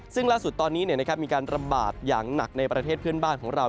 ซึ่งล่าสุดตอนนี้มีการระบาดอย่างหนักในประเทศเพื่อนบ้านของเรา